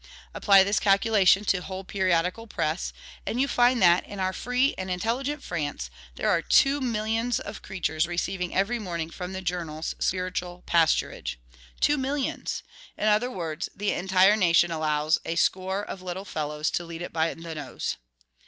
Apply this calculation to the whole periodical press, and you find that, in our free and intelligent France, there are two millions of creatures receiving every morning from the journals spiritual pasturage. Two millions! In other words, the entire nation allows a score of little fellows to lead it by the nose.